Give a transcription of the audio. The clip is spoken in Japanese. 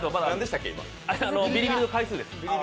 ビリビリの回数です。